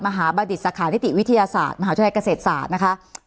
บัณฑิตสาขานิติวิทยาศาสตร์มหาวิทยาลัยเกษตรศาสตร์นะคะ